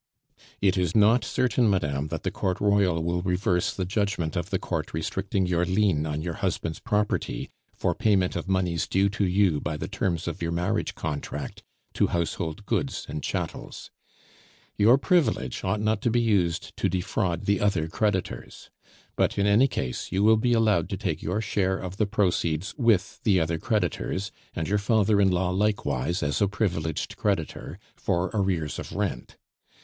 "It is not certain, madame, that the Court Royal will reverse the judgment of the court restricting your lien on your husband's property, for payment of moneys due to you by the terms of your marriage contract, to household goods and chattels. Your privilege ought not to be used to defraud the other creditors. But in any case, you will be allowed to take your share of the proceeds with the other creditors, and your father in law likewise, as a privileged creditor, for arrears of rent.